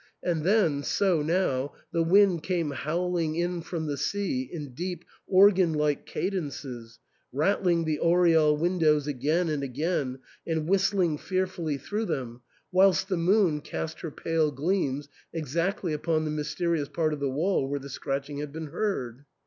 As then, so now, the wind came howling in from the sea in deep organ like cadences, rattling the oriel windows again and again and whistling fearfully through them, whilst the moon cast her pale gleams exactly upon the mysterious part of the wall where the scratching had been heard.